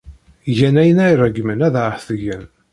Gan ayen ay ṛeggmen ad aɣ-t-gen.